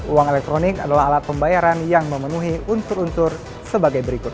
uang elektronik adalah alat pembayaran yang memenuhi unsur unsur sebagai berikut